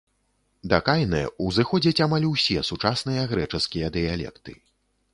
Да кайнэ ўзыходзяць амаль усе сучасныя грэчаскія дыялекты.